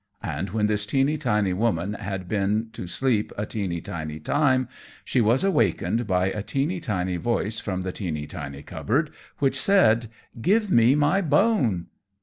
And when this teeny tiny woman had been to sleep a teeny tiny time she was awakened by a teeny tiny voice from the teeny tiny cupboard, which said "Give me my bone!"